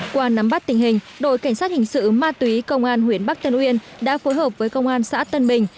qua nắm bắt tình hình đội cảnh sát hình sự ma túy công an huyện bắc tân uyên đã phối hợp với công an xã tân bình